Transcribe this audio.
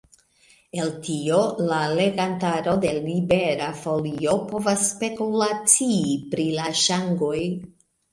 El tio la legantaro de Libera Folio povas spekulacii pri la ŝangoj.